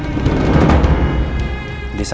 di saat rumah itu terjadi pembunuhan